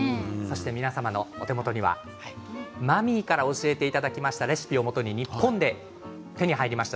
皆様のお手元にはマミーから教えていただいたレシピをもとに日本で手に入りました。